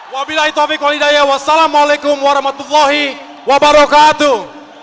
wabila hitobik walidayah wassalamu'alaikum warahmatullahi wabarakatuh